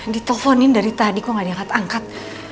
diteleponin dari tadi kok gak diangkat angkat